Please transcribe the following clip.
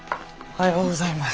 おはようございます。